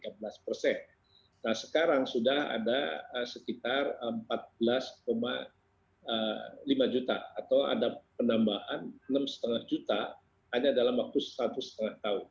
nah sekarang sudah ada sekitar empat belas lima juta atau ada penambahan enam lima juta hanya dalam waktu satu setengah tahun